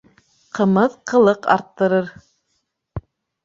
Ҡымыҙ ҡылыҡ арттырыр